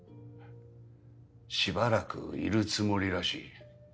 しばらくいるつもりらしい。